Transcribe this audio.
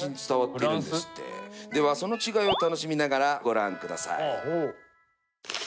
その違いを楽しみながらご覧下さい。